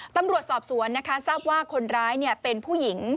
ตำรวจสอบสวนนะคะทราบว่าคนร้ายเป็นผู้หญิง